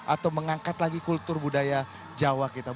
atau mengangkat lagi kultur budaya jawa kita